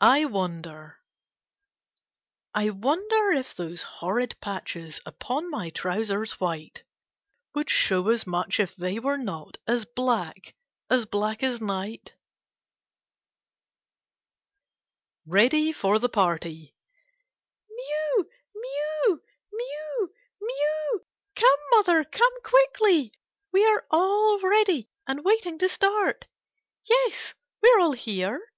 I WONDEE I wonder if those horrid patches Upon my trousers white Would show as much if they were not As black a» black as night ? 8 KITTEl^S AliTD OATS KEADY FOR THE PARTY Mew ! mew ! mew ! mew ! Come, mother, come quickly! We are all ready and waiting to start. Yes, we are all here.